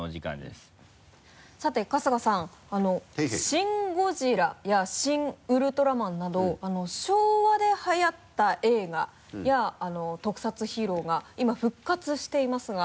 「シン・ゴジラ」や「シン・ウルトラマン」など昭和ではやった映画や特撮ヒーローが今復活していますが。